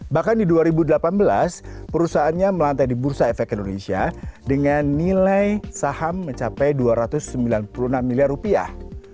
bahkan di dua ribu delapan belas perusahaannya melantai di bursa efek indonesia dengan nilai saham mencapai dua ratus sembilan puluh enam miliar rupiah